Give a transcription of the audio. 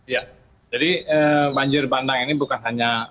ya jadi banjir bandang ini bukan hanya